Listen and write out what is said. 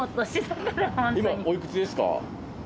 今おいくつですか？